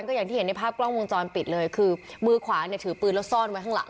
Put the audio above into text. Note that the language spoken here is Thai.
ก็อย่างที่เห็นในภาพกล้องวงจรปิดเลยคือมือขวาเนี่ยถือปืนแล้วซ่อนไว้ข้างหลัง